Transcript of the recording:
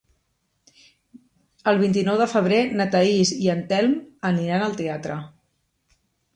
El vint-i-nou de febrer na Thaís i en Telm aniran al teatre.